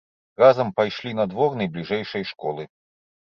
Разам пайшлі на двор найбліжэйшай школы.